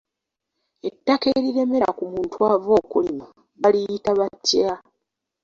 Ettaka eriremera ku muntu ava okulima, baliyita batya?